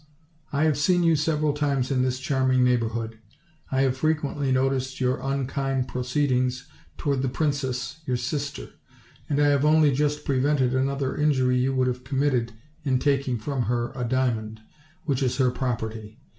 I have seen you several times in this charming neighborhood. I have frequently noticed your unkind proceedings toward the princess, your sister; and I have only just prevented another injury you would have committed in taking from her a diamond, which is her property.